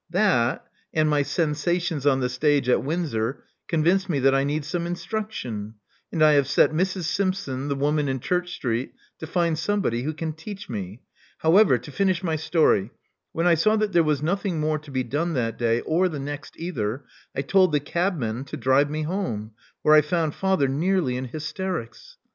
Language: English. That, and my sensations on the stage at Windsor, con vinced me that I need some instruction; and I have set Mrs. Simpson, the woman in Church Street, to find somebody who can teach me. However, to finish my story, when I saw that there was nothing more to be done that day, or the next either, I told the cabman to drive me home, where I found father nearly in hysterics.